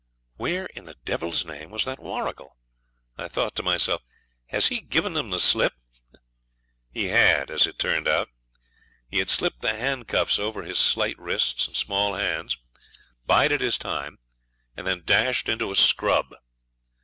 Where, in the devil's name, is that Warrigal? I thought to myself. Has he given them the slip? He had, as it turned out. He had slipped the handcuffs over his slight wrists and small hands, bided his time, and then dashed into a scrub.